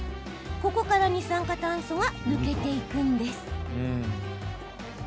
ここから二酸化炭素が抜けていくんです。